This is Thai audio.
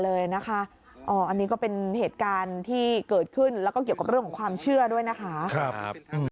อันนี้ก็เป็นเหตุการณ์ที่เกิดขึ้นแล้วก็เกี่ยวกับเรื่องของความเชื่อด้วยนะคะ